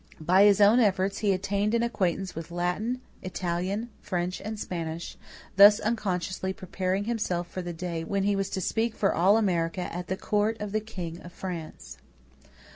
By his own efforts he "attained an acquaintance" with Latin, Italian, French, and Spanish, thus unconsciously preparing himself for the day when he was to speak for all America at the court of the king of France.